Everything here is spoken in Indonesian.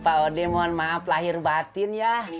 pak ode mohon maaf lahir batin ya